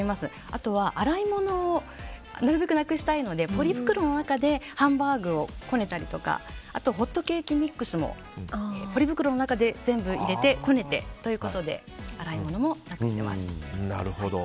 あとは、洗い物をなるべくなくしたいのでポリ袋の中でハンバーグをこねたりとかあとはホットケーキミックスもポリ袋の中に全部入れて、こねて洗い物もなくしてます。